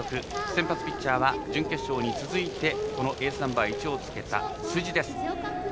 先発ピッチャーは準決勝に続いてこのエースナンバー１をつけた辻です。